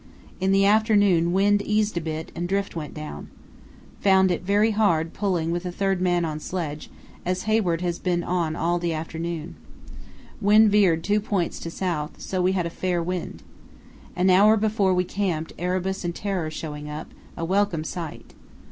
In the afternoon wind eased a bit and drift went down. Found it very hard pulling with the third man on sledge, as Hayward has been on all the afternoon. Wind veered two points to south, so we had a fair wind. An hour before we camped Erebus and Terror showing up, a welcome sight.